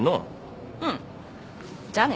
うんじゃあね。